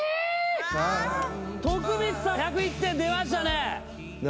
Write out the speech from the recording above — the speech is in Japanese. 徳光さん１０１点出ましたね。